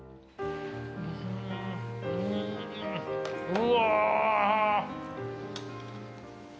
うわ！